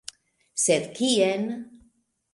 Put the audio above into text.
Sed kien?